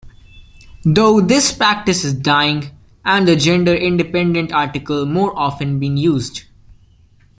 Though this practice is dying, and the gender-independent article more often being used.